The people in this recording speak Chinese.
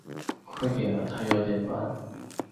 快点啊他有点恼